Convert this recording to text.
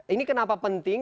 ini kenapa penting